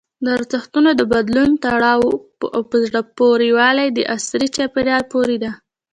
د ارزښتونو د بدلون تړاو په زړه پورې والي او عصري چاپېریال پورې دی.